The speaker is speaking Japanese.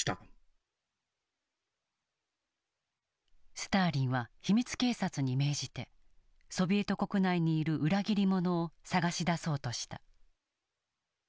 スターリンは秘密警察に命じてソビエト国内にいる裏切り者を捜し出そうとした。